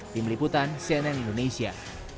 tim liputan cnn indonesia